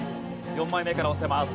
４枚目から押せます。